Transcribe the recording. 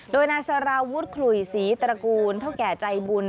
โดยนายสารวุฒิขลุยศรีตระกูลเท่าแก่ใจบุญ